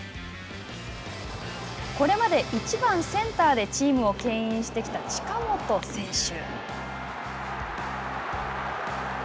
これまで１番センターでチームをけん引してきた近本選手。